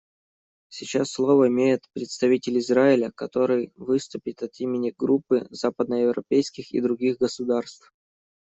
Сейчас слово имеет представитель Израиля, который выступит от имени Группы западноевропейских и других государств.